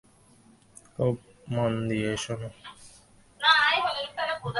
খুব মন দিয়ে শোন।